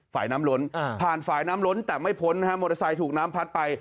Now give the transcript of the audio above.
ฝ่ายน้ำล้นผ่านฝ่ายน้ำล้นแต่ไม่พ้นนะฮะมอเตอร์ไซค์ถูกน้ำพัดไป